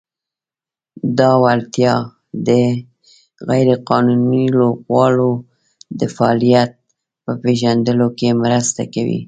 دا وړتیا د "غیر قانوني لوبغاړو د فعالیت" په پېژندلو کې مرسته کوي.